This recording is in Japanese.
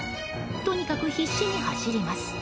とにかく必死に走ります。